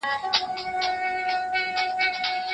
ايا هلک تر نجلۍ مشر کېدای سي؟